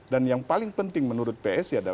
dan yang paling penting menurut ps